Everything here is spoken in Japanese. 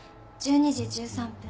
１２時１３分。